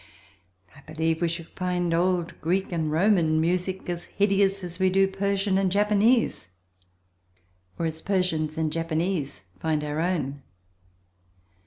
I believe we should find old Greek and Roman music as hideous as we do Persian and Japanese, or as Persians and Japanese find our own.